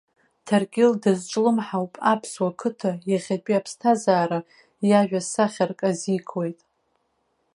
Ҭаркьыл дазҿлымҳауп аԥсуа қыҭа иахьатәи аԥсҭазаара, иажәа сахьарк азикуеит.